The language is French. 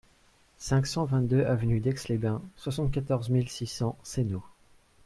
cinq cent vingt-deux avenue d'Aix les Bains, soixante-quatorze mille six cents Seynod